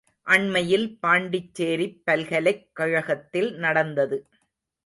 அண்மையில் பாண்டிச்சேரிப் பல்கலைக் கழகத்தில் நடந்தது.